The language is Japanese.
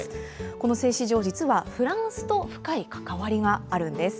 この製糸場、実はフランスと深い関わりがあるんです。